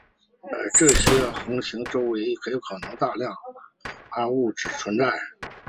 而这些恒星周围可能有大量暗物质存在。